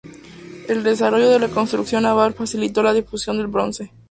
El desarrollo de la construcción naval facilitó la difusión del bronce.